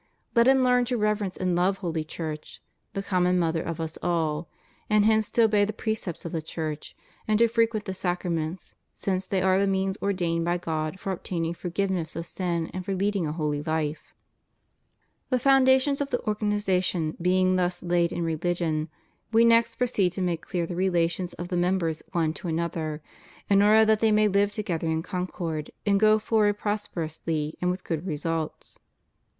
Let him learn to reverence and love Holy Church, the common Mother of us all; and hence to obey the precepts of the Church, and to frequent the sacraments, since they are the means ordained by God for obtaining forgiveness of sin and for leading a holy Ufe, The foundations of the organization being thus laid in religion, We next proceed to make clear the relations of the members one to another, in order that they may live together in concord and go forward prosperously and with good results.